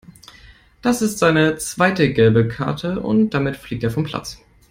Das ist seine zweite gelbe Karte und damit fliegt er vom Platz.